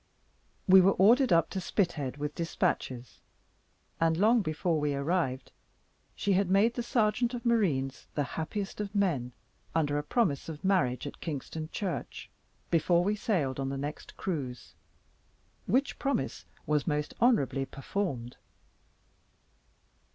We were ordered up to Spithead with despatches, and long before we arrived, she had made the sergeant of marines the happiest of men, under a promise of marriage at Kingston church, before we sailed on our next cruise, which promise was most honourably performed.